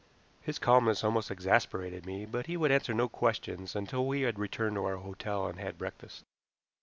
His calmness almost exasperated me, but he would answer no questions until we had returned to our hotel and had breakfast.